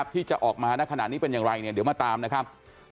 ที่จะออกมาณขณะนี้เป็นอย่างไรเนี่ยเดี๋ยวมาตามนะครับ